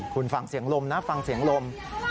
คุณฟังเสียงลมนะฟังเสียงลม